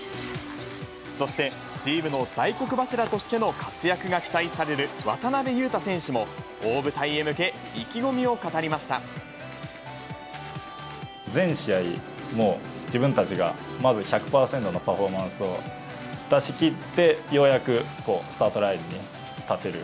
そして、チームの大黒柱としての活躍が期待される渡邊雄太選手も、大舞台全試合、もう自分たちがまず１００％のパフォーマンスを出しきって、ようやくスタートラインに立てる。